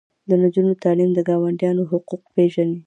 د نجونو تعلیم د ګاونډیانو حقوق پیژني.